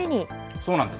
そうなんです。